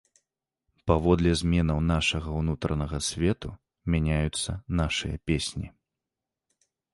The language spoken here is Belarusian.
Паводле зменаў нашага ўнутранага свету мяняюцца нашыя песні.